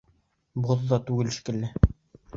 Боҙ ҙа түгел шикелле.